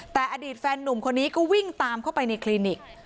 แต่อดีตแฟนนุ่มคนนี้ก็วิ่งตามเข้าไปในคลินิก